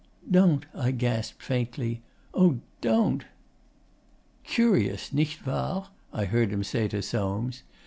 'Don't!' I gasped faintly. 'Oh, don't!' 'Curious, nicht wahr?' I heard him say to Soames.